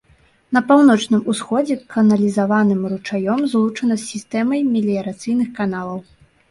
На паўночным усходзе каналізаваным ручаём злучана з сістэмай меліярацыйных каналаў.